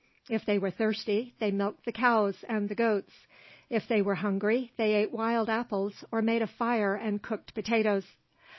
If they were thirsty, they milked the cows and the goats; if they were hungry they ate wild apples or made a fire and cooked potatoes.